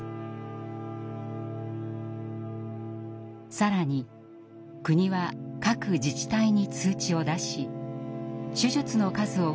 更に国は各自治体に通知を出し手術の数を増やすよう奨励していました。